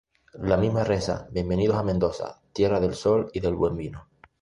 La misma reza: "Bienvenidos a Mendoza, tierra del sol y del buen vino".